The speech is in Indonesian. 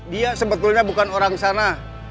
dia sebetulnya bukan orang sana